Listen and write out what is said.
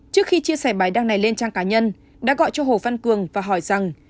trước khi chia sẻ bài đăng này lên trang cá nhân đã gọi cho hồ văn cường và hỏi rằng